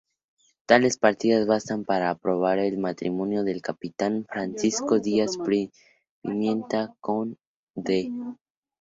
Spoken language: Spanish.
Tales partidas bastan para probar el matrimonio del capitán Francisco Díaz Pimienta con Dª.